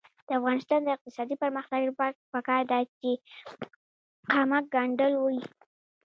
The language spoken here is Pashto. د افغانستان د اقتصادي پرمختګ لپاره پکار ده چې خامک ګنډل وي.